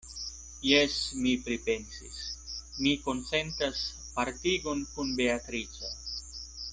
Jes, mi pripensis: mi konsentas partigon kun Beatrico.